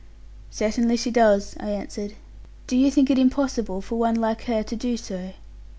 'Certainly, she does,' I answered. 'Do you think it impossible for one like her to do so?'